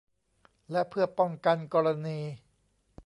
และเพื่อป้องกันกรณี